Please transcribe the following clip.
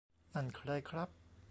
นั่นใครครับ